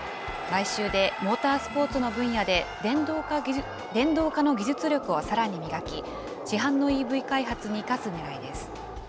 買収でモータースポーツの分野で電動化の技術力をさらに磨き、市販のＥＶ開発に生かすねらいです。